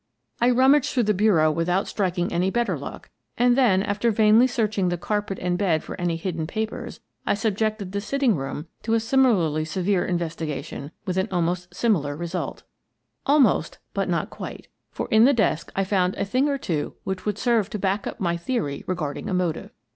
I rummaged through the bureau without strik ing any better luck, and then, after vainly searching the carpet and bed for any hidden papers, I sub jected the sitting room to a similarly severe investi gation with an almost similar result Almost, but not quite, for in the desk I found a thing or two which would serve to back up my theory regarding a motive.